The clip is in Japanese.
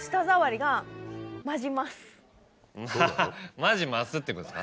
マジ増すってことですか？